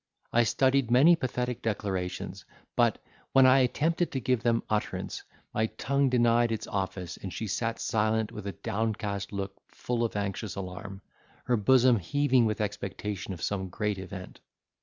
I studied many pathetic declarations, but, when I attempted to give them utterance, my tongue denied its office and she sat silent with a downcast look full of anxious alarm, her bosom heaving with expectation of some great event.